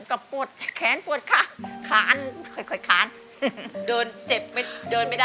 ก็ปวดแค้นปวดข้าคาอ่านค่อยคัน